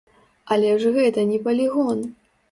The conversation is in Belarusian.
Але ж гэта не палігон!